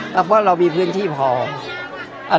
เพราะเรามีพื้นที่พอ